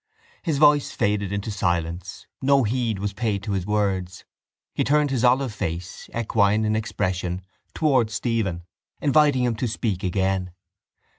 His voice faded into silence. No heed was paid to his words. He turned his olive face, equine in expression, towards Stephen, inviting him to speak again.